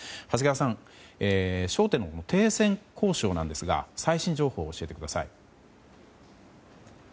長谷川さん焦点の停戦交渉ですが最新情報を教えてください。